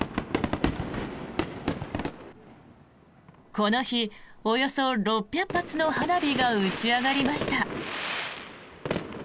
この日、およそ６００発の花火が打ち上がりました。